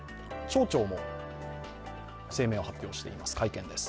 町長も声明を発表しています。